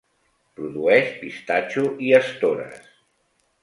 Produeix pistatxo i estores.